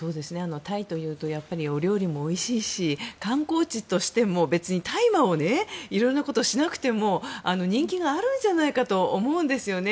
タイというとお料理もおいしいし観光地としても大麻を入れることをしなくても人気があるんじゃないかと思うんですよね。